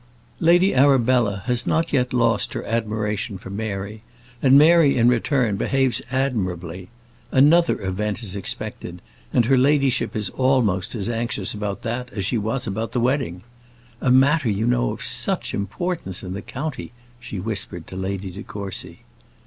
Lady Arabella has not yet lost her admiration for Mary, and Mary, in return, behaves admirably. Another event is expected, and her ladyship is almost as anxious about that as she was about the wedding. "A matter, you know, of such importance in the county!" she whispered to Lady de Courcy.